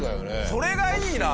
それがいいな！